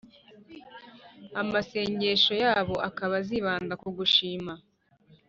amasengeshoyabo akaba azibanda kukugushima